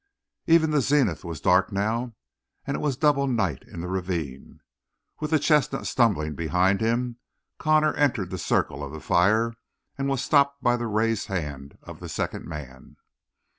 Even the zenith was dark now, and it was double night in the ravine. With the chestnut stumbling behind him, Connor entered the circle of the fire and was stopped by the raised hand of the second man.